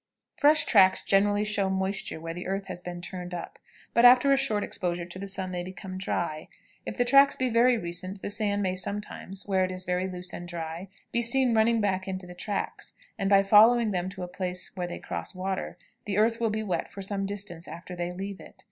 Fresh tracks generally show moisture where the earth has been turned up, but after a short exposure to the sun they become dry. If the tracks be very recent, the sand may sometimes, where it is very loose and dry, be seen running back into the tracks, and by following them to a place where they cross water, the earth will be wet for some distance after they leave it.